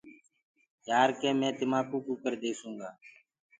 ڪي يآر ڪي مي تمآ ڪوُ ڪٚڪَر ديسونٚ گا۔